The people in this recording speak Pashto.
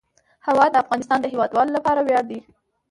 هوا د افغانستان د هیوادوالو لپاره ویاړ دی.